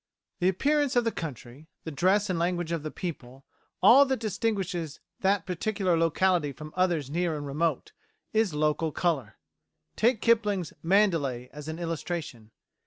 The appearance of the country, the dress and language of the people, all that distinguishes the particular locality from others near and remote is local colour. Take Kipling's "Mandalay" as an illustration.